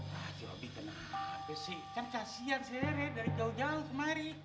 wah si robi kenapa sih kan kasihan si rere dari jauh jauh kemari